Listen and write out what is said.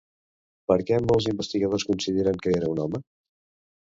Per què molts investigadors consideren que era un home?